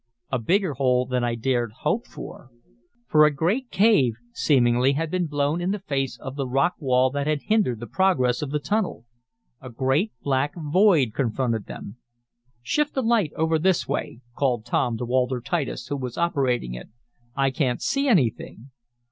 "A bigger hole than I dared hope for." For a great cave, seemingly, had been blown in the face of the rock wall that had hindered the progress of the tunnel. A great black void confronted them. "Shift the light over this way," called Tom to Walter Titus, who was operating it. "I can't see anything."